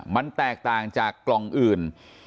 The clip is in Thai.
มันแตกต่างจากกล่องอื่น